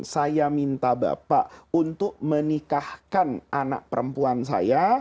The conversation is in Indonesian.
saya minta bapak untuk menikahkan anak perempuan saya